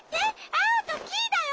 アオとキイだよ！